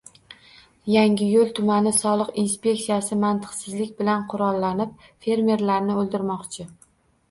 — Yangiyo‘l tumani soliq inspeksiyasi mantiqsizlik bilan qurollanib, fermerlarni «o‘ldirmoqchi».